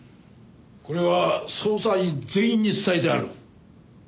これは捜査員全員に伝えてある。